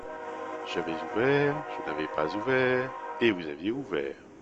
J’avais ouvert, je n’avais pas ouvert, et vous aviez ouvert.